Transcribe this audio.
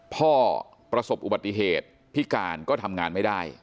ประสบอุบัติเหตุพิการก็ทำงานไม่ได้